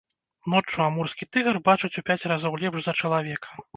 Ноччу амурскі тыгр бачыць у пяць разоў лепш за чалавека.